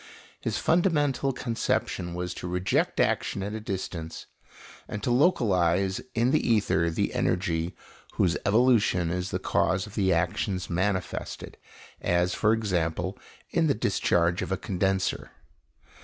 His fundamental conception was to reject action at a distance, and to localize in the ether the energy whose evolution is the cause of the actions manifested, as, for example, in the discharge of a condenser.